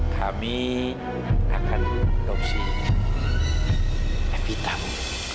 kami akan mengadopsi epitamu